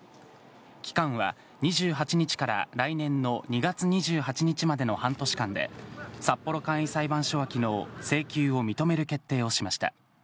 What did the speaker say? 期間は２８日から来年の２月２８日までの半年間で、札幌簡易裁判所はきのう、請求を認める決定をしました。